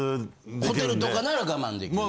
ホテルとかなら我慢できる？